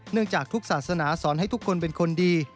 จากทุกศาสนาสอนให้ทุกคนเป็นคนดี